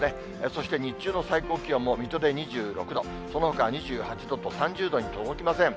そして日中の最高気温も、水戸で２６度、そのほかは２８度と、３０度に届きません。